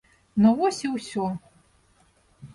Ну, вось і ўсё.